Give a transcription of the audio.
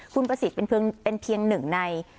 คุณประสิทธิ์เป็นเพียงหนึ่งใน